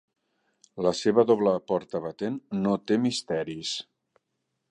La seva doble porta batent no té misteris.